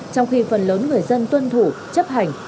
trong khi phần lớn người dân tuân thủ chấp hành